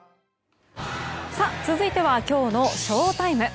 続いてはきょうのＳＨＯＴＩＭＥ。